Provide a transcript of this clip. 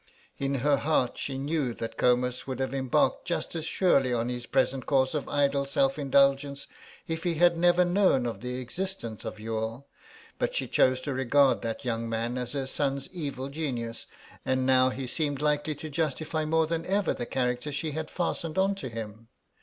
In her heart she knew that Comus would have embarked just as surely on his present course of idle self indulgence if he had never known of the existence of Youghal, but she chose to regard that young man as her son's evil genius, and now he seemed likely to justify more than ever the character she had fastened on to him.